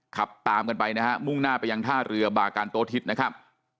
ขับตามกันไปนะฮะมุ่งหน้าไปยังท่าเรือบาการโตทิศนะครับ